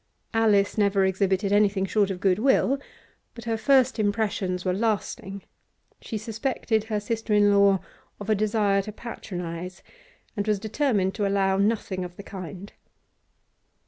Alice never exhibited anything short of good will, but her first impressions were lasting; she suspected her sister in law of a desire to patronise, and was determined to allow nothing of the kind.